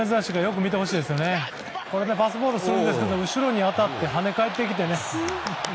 パスボールするんですけど後ろに当たって跳ね返ってきてね。